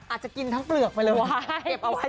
อาจจะกินทั้งเปลือกไปเลย